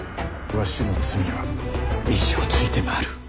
わしの罪は一生ついて回る。